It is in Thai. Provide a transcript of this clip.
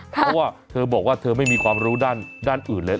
เพราะว่าเธอบอกว่าเธอไม่มีความรู้ด้านอื่นเลย